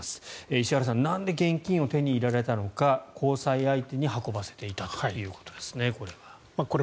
石原さんなんで現金を手に入れられたのか交際相手に運ばせていたということですね、これは。